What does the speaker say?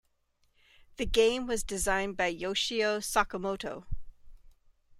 The game was designed by Yoshio Sakamoto.